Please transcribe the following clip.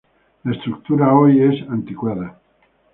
La estructura, hoy, es anticuada.